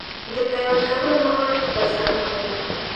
د پیوند کولو مهارت بزګران لري.